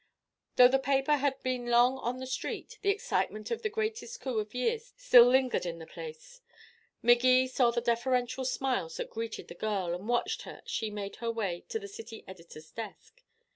Though the paper had been long on the street, the excitement of the greatest coup of years still lingered in the place. Magee saw the deferential smiles that greeted the girl, and watched her as she made her way to the city editor's desk.